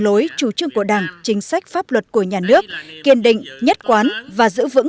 lối chủ trương của đảng chính sách pháp luật của nhà nước kiên định nhất quán và giữ vững